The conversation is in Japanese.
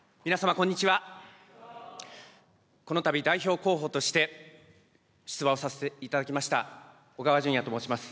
このたび代表候補として、出馬をさせていただきました、小川淳也と申します。